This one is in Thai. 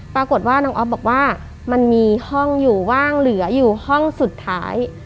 ปรากฏว่าน้องอ๊อฟบอกว่ามันมีห้องอยู่ว่างเหลืออยู่ห้องสุดท้าย